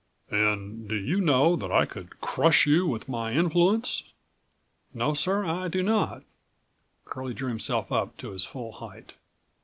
"And do you know that I could crush you with my influence?" "No, sir, I do not." Curlie drew himself up to his full height.